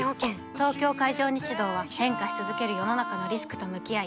東京海上日動は変化し続ける世の中のリスクと向き合い